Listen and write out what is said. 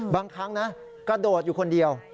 บางครั้งนะกระโดดอยู่คนเดียว